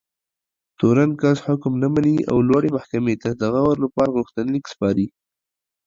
تورن کس حکم نه مني او لوړې محکمې ته د غور لپاره غوښتنلیک سپاري.